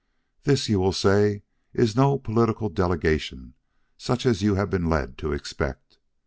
This, you will say, is no political delegation such as you have been led to expect.